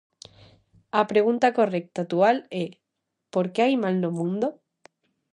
A pregunta correcta actual é: por que hai mal no mundo?